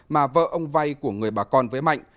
mà vợ ông vay của người bà con với mạnh